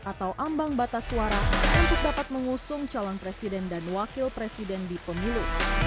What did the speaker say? atau ambang batas suara untuk dapat mengusung calon presiden dan wakil presiden di pemilu